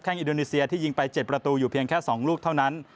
อินโดนีเซียที่ยิงไป๗ประตูอยู่เพียงแค่๒ลูกเท่านั้น